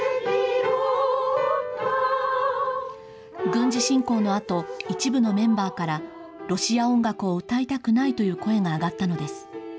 軍事侵攻のあと、一部のメンバーから、ロシア音楽を歌いたくないという声が上がったのです。